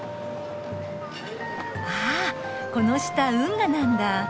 あこの下運河なんだ。